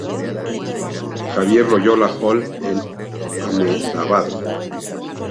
Xavier Loyola Hall, en Ahmedabad.